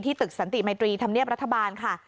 ตึกสันติมัยตรีธรรมเนียบรัฐบาลค่ะ